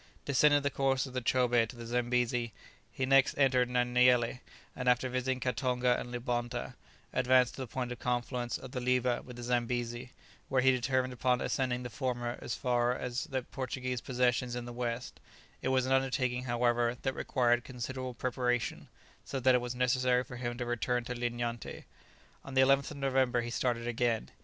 Descending the course of the Chobé to the Zambesi, he next entered Naniele, and after visiting Katonga and Libonta, advanced to the point of confluence of the Leeba with the Zambesi, where he determined upon ascending the former as far as the Portuguese possessions in the west; it was an undertaking, however, that required considerable preparation, so that it was necessary for him to return to Linyanté. On the 11th of November he again started.